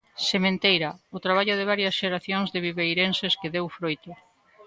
Sementeira, o traballo de varias xeracións de viveirenses que deu froito.